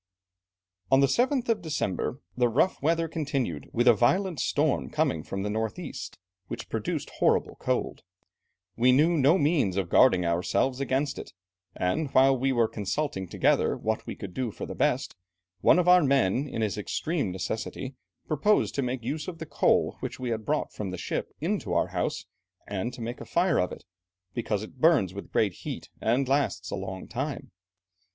"On the 7th of December, the rough weather continued, with a violent storm coming from the north east, which produced horrible cold. We knew no means of guarding ourselves against it, and while we were consulting together, what we could do for the best, one of our men in this extreme necessity proposed to make use of the coal which we had brought from the ship into our house, and to make a fire of it, because it burns with great heat and lasts a long time.